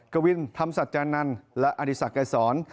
กะวิ่นทัมซัทกาญนันและอริสักกาลสอน